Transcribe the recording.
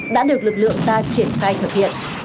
đã được lực lượng ta triển khai thực hiện